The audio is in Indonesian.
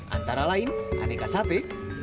antara lain aneka sate